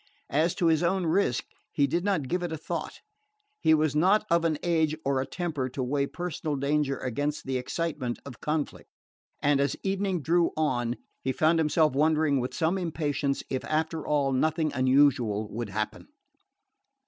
As to his own risk, he did not give it a thought. He was not of an age or a temper to weigh personal danger against the excitement of conflict; and as evening drew on he found himself wondering with some impatience if after all nothing unusual would happen.